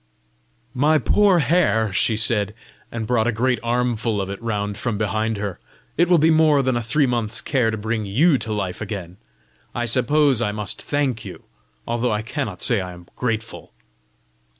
"My poor hair!" she said, and brought a great armful of it round from behind her; " it will be more than a three months' care to bring YOU to life again! I suppose I must thank you, although I cannot say I am grateful!"